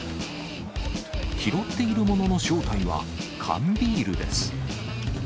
拾っているものの正体は、缶ビールです。